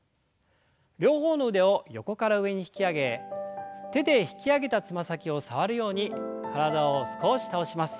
両方の腕を横から上に引き上げ手で引き上げたつま先を触るように体を少し倒します。